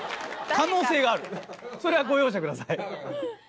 可能性があるそれはご容赦ください。